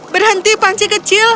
berhenti panci kecil